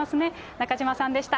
中島さんでした。